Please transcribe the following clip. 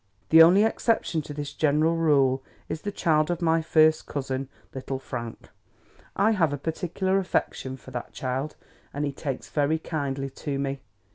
The only exception to this general rule is the child of my first cousin, Little Frank. I have a particular affection for that child, and he takes very kindly to me.